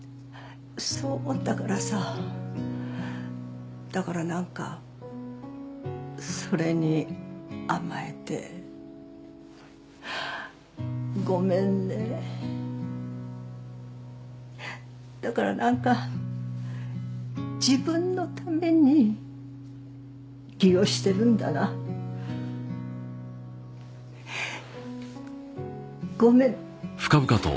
そう思ったからさだからなんかそれに甘えてごめんねだからなんか自分のために利用してるんだなごめん！